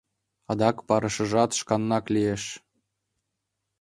Адак парышыжат шканнак лиеш.